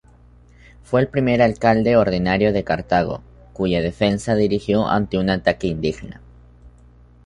Fue el primer alcalde ordinario de Cartago, cuya defensa dirigió ante un ataque indígena.